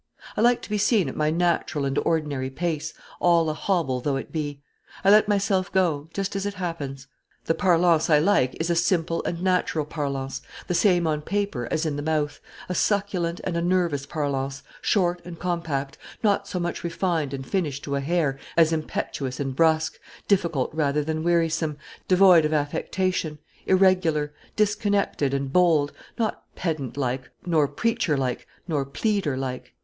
I like to be seen at my natural and ordinary pace, all a hobble though it be; I let myself go, just as it happens. The parlance I like is a simple and natural parlance, the same on paper as in the mouth, a succulent and a nervous parlance, short and compact, not so much refined and finished to a hair as impetuous and brusque, difficult rather than wearisome, devoid of affectation, irregular, disconnected, and bold, not pedant like, not preacher like, not pleader like."